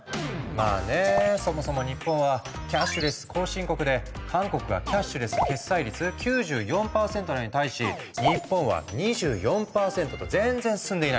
まあねそもそも日本はキャッシュレス後進国で韓国がキャッシュレス決済率９４％なのに対し日本は２４％と全然進んでいないんだ。